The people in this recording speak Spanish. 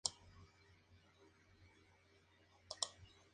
Prácticamente existe un tipo de perro en cada isla, e islas que comparten varios.